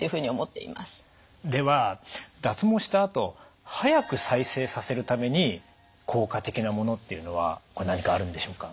では脱毛したあと早く再生させるために効果的なものっていうのはこれ何かあるんでしょうか？